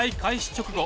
直後